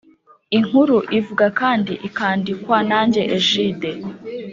Inkuru ivuga kandi ikandikwa nanjye Egide